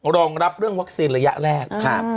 รองรับเรื่องวัคซีนระยะแรก